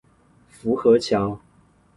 福和橋